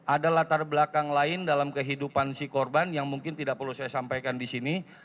ada latar belakang lain dalam kehidupan si korban yang mungkin tidak perlu saya sampaikan di sini